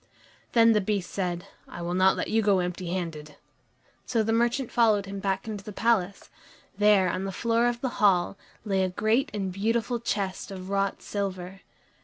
Then the Beast said, "I will not let you go empty handed." So the merchant followed him back into the palace. There, on the floor of the hall, lay a great and beautiful chest of wrought silver.